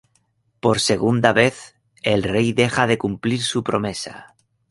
Por segunda vez, el rey deja de cumplir su promesa.